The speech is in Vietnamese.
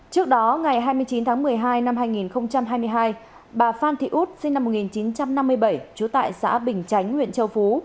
trước đó ngày hai mươi chín tháng một mươi hai năm hai nghìn hai mươi hai bà phan thị út sinh năm một nghìn chín trăm năm mươi bảy trú tại xã bình chánh huyện châu phú